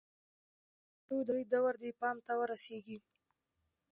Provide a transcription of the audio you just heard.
د پښتو د کمزورۍ دور دې پای ته ورسېږي.